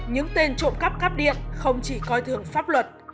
những tên trộm cắp cắp điện không chỉ coi thường pháp luật